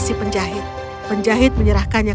si penjahit penjahit menyerahkannya